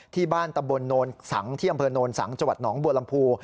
ที่บ้านตะบลโนรสังที่อำเภอโนรสังจวัดหนองบัวลำพู